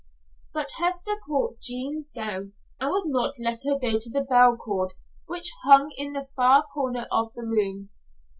But Hester caught Jean's gown and would not let her go to the bell cord which hung in the far corner of the room.